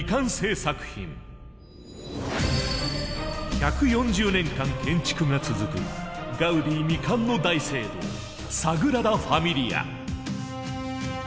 １４０年間建築が続くガウディ未完の大聖堂「サグラダ・ファミリア」。